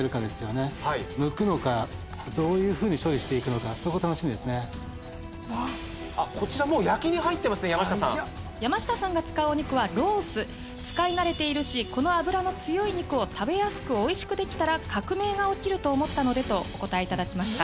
ねむくのかどういうふうに処理していくのかそこ楽しみですねこちらもう焼きに入ってますね山下さん山下さんが使うお肉はロース「使い慣れているしこの脂の強い肉を食べやすくおいしくできたら革命が起きると思ったので」とお答え頂きました